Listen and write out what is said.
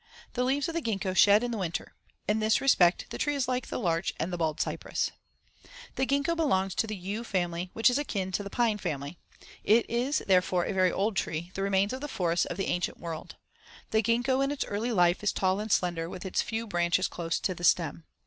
The leaves of the gingko shed in the winter. In this respect the tree is like the larch and the bald cypress. [Illustration: FIG. 46. Bud of the Gingko Tree.] The gingko belongs to the yew family, which is akin to the pine family. It is therefore a very old tree, the remains of the forests of the ancient world. The gingko in its early life is tall and slender with its few branches close to the stem.